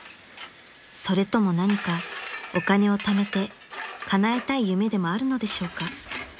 ［それとも何かお金をためてかなえたい夢でもあるのでしょうか？］